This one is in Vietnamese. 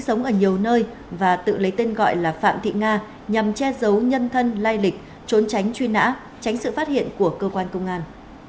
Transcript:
sống ở nhiều nơi và tự lấy tên gọi là phạm thị nga nhằm che giấu nhân thân lai lịch trốn tránh truy nã tránh sự phát hiện của cơ quan công an